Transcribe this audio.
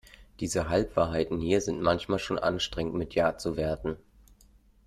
Diese Halbwahrheiten hier sind manchmal schon anstrengend mit ja zu werten.